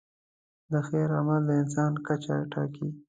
د خیر عمل د انسان کچه ټاکي.